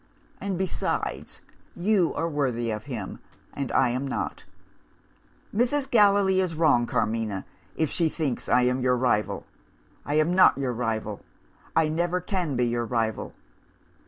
And, besides, you are worthy of him, and I am not. Mrs. Gallilee is wrong, Carmina, if she thinks I am your rival. I am not your rival; I never can be your rival.